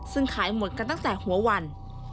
ซึ่งขายหมดกันตั้งแต่หัววัน